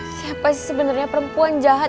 siapa sih sebenarnya perempuan jahat